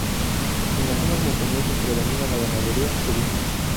En las zonas montañosas predomina la ganadería ovina.